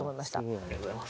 ありがとうございます